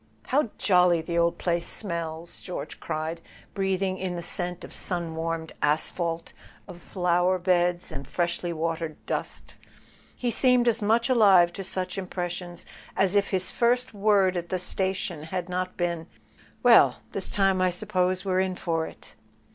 "How jolly the old place smells!" George cried, breathing in the scent of sun warmed asphalt, of flower¬ beds and freshly watered dust. He seemed as much alive to such impressions as if his first word at the sta¬ tion had not been: "Well, this time I suppose we're in for it."